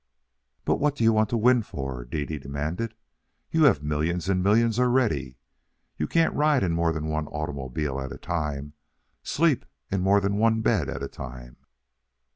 "But what do you want to win for?" Dede demanded. "You have millions and millions, already. You can't ride in more than one automobile at a time, sleep in more than one bed at a time."